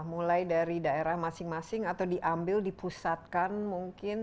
mulai dari daerah masing masing atau diambil dipusatkan mungkin